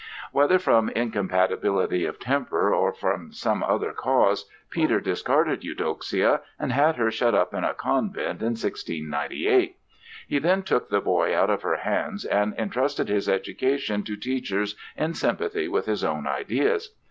Whether from incompatibility of temper or some other cause, Peter discarded Eudoxia and had her shut up in a convent in 1698; he then took the boy out of her hands and entrusted his education to teachers in sympathy with his own ideas.